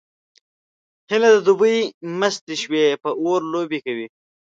څیله د دوبي مسته شوې په اور لوبې کوي